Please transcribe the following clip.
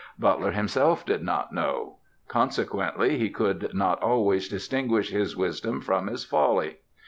Butler himself did not know; consequently he could not always distinguish his wisdom from his folly.